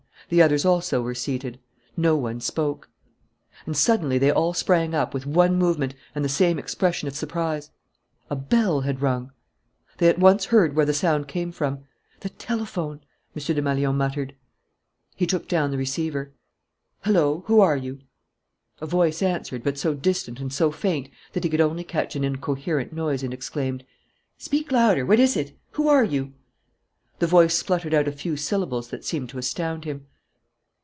The others also were seated. No one spoke. And suddenly they all sprang up, with one movement, and the same expression of surprise. A bell had rung. They at once heard where the sound came from. "The telephone," M. Desmalions muttered. He took down the receiver. "Hullo! Who are you?" A voice answered, but so distant and so faint that he could only catch an incoherent noise and exclaimed: "Speak louder! What is it? Who are you?" The voice spluttered out a few syllables that seemed to astound him.